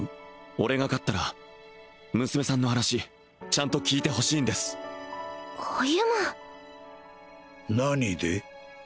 俺が勝ったら娘さんの話ちゃんと聞いてほしいんです歩何で？